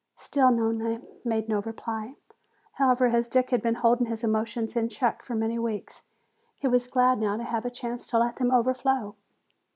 Still Nona made no reply. However, as Dick had been holding his emotions in check for many weeks, he was glad now to have a chance to let them overflow.